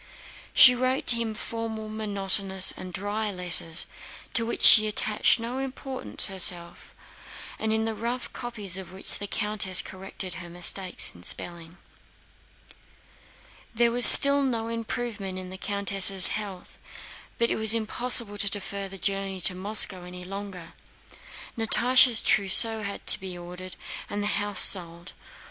She wrote to him formal, monotonous, and dry letters, to which she attached no importance herself, and in the rough copies of which the countess corrected her mistakes in spelling. There was still no improvement in the countess' health, but it was impossible to defer the journey to Moscow any longer. Natásha's trousseau had to be ordered and the house sold.